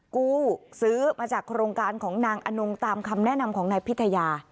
กู้ซื้อมาจากโครงการของนางอนงตามคำแนะนำของนายพิทยา